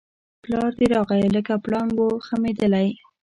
پلار دی راغی لکه پړانګ وو خښمېدلی